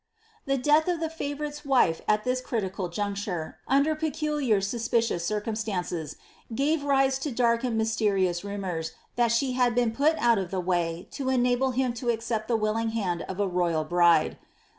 The death of the favourite's wife at this critical juncture, under pecu liar suspicious circumstances, gave rise to dark and mysterious rumours, that she had been put out of the way to enable him to accept the willing hand of a royal bride.